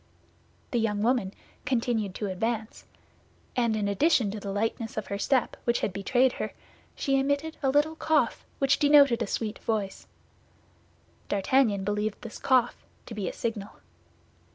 The young woman continued to advance; and in addition to the lightness of her step, which had betrayed her, she emitted a little cough which denoted a sweet voice. D'Artagnan believed this cough to be a signal.